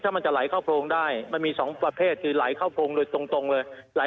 ถ้ามันจะไหลเข้าโพรงได้มันมี๒ประเภทคือไหลเข้าโพงโดยตรงเลย